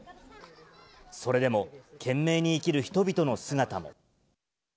それでも、懸命に生きる人々の姿も。